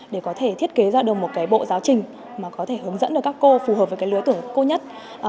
để có thể thiết kế ra được một cái bộ giáo trình mà có thể hướng dẫn được các cô phù hợp với cái lứa tuổi cô nhất